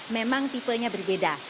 memang tipenya berbeda